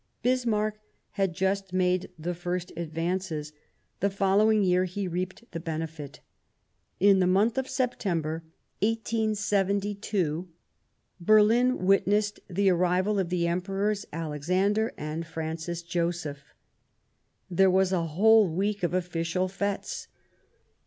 Bismarck had just made the first advances ; the following year he reaped the benefit. In the month of September, 1872, Berlin witnessed the Interview of arrival of the Emperors Alexander and the Three Emperors Francis Joseph. There was a whole week of official fetes.